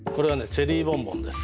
チェリーボンボンです。